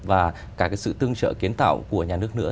và cả cái sự tương trợ kiến tạo của nhà nước nữa